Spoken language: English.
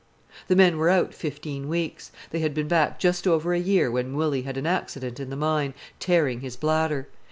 The men were out fifteen weeks. They had been back just over a year when Willy had an accident in the mine, tearing his bladder.